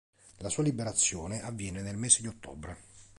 La sua liberazione avviene nel mese di ottobre.